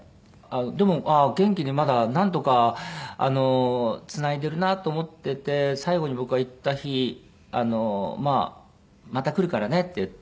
でも元気にまだなんとかつないでるなと思ってて最後に僕が行った日「また来るからね」って言って。